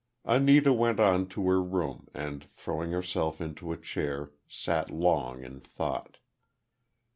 Anita went on to her room, and throwing herself into a chair, sat long in thought.